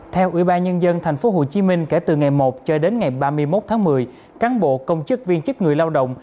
theo ubnd tp hcm kể từ ngày một cho đến ngày ba mươi một tháng một mươi cán bộ công chức viên chức người lao động